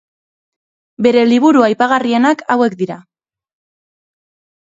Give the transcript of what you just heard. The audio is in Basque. Bere liburu aipagarrienak hauek dira.